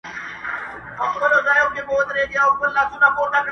د یارۍ مثال د تېغ دی خلاصېدل ورڅخه ګران دي!!